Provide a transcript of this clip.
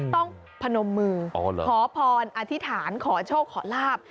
พนมมือขอพรอธิษฐานขอโชคขอลาบ